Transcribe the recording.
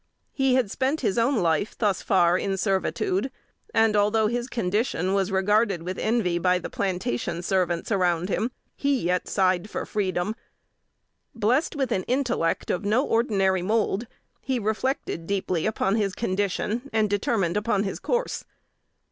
He had spent his own life thus far in servitude, and, although his condition was regarded with envy by the plantation servants around him, he yet sighed for freedom. Blessed with an intellect of no ordinary mould, he reflected deeply upon his condition, and determined upon his course.